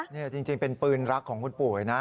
นี่จริงเป็นปืนรักของคุณปู่นะ